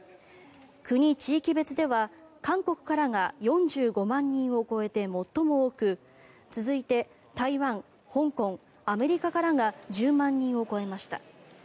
国・地域別では韓国からが４５万人を超えて最も多く続いて台湾、香港、アメリカからが１０万人を超えました。